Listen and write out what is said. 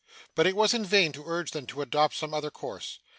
But it was in vain to urge them to adopt some other course.